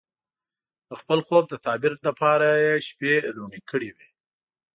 د خپل خوب د تعبیر لپاره یې شپې روڼې کړې وې.